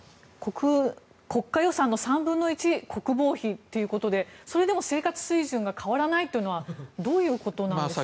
国家予算の３分の１国防費ということでそれでも生活水準が変わらないというのはどういうことなんでしょうか。